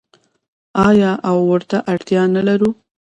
آیا او ورته اړتیا نلرو؟